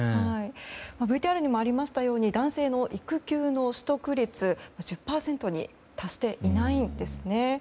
ＶＴＲにもありましたように男性の育休の取得率は１０％に達していないんですね。